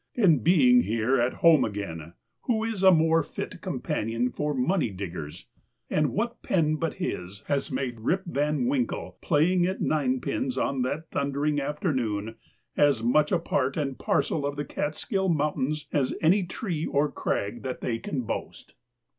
And being here at home again, who is a more fit com panion for money diggers? And what pen but his has made Rip Van Winkle, playing at nine pins on that thundering afternoon, as much part and parcel of the Catskill Mountains as any tree or crag that they can boast?